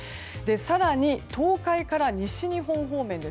更に、東海から西日本方面。